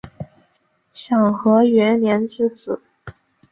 享和元年之子。